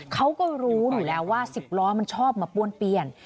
เขาก็รู้อยู่แล้วว่า๑๐ล้อมันชอบมาป้วนเปลี่ยน